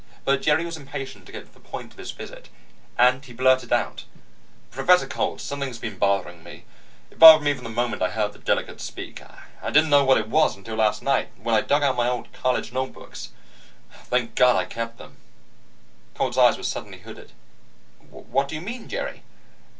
But Jerry was impatient to get to the point of his visit, and he blurted out: "Professor Coltz, something's been bothering me. It bothered me from the moment I heard the Delegate speak. I didn't know what it was until last night, when I dug out my old college notebooks. Thank God I kept them." Coltz's eyes were suddenly hooded. "What do you mean, Jerry?"